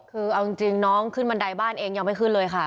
คือเอาจริงน้องขึ้นบันไดบ้านเองยังไม่ขึ้นเลยค่ะ